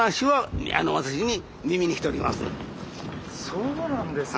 そうなんですか。